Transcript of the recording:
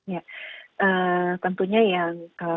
ya tentunya yang